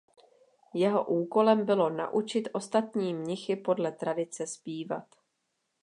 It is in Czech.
Jeho úkolem bylo naučit ostatní mnichy podle tradice zpívat.